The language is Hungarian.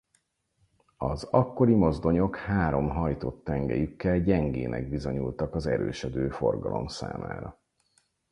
Az akkori mozdonyok három hajtott tengelyükkel gyengének bizonyultak az erősödő forgalom számára.